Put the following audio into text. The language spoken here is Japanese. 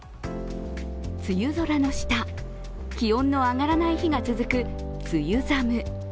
梅雨空の下、気温の上がらない日が続く梅雨寒。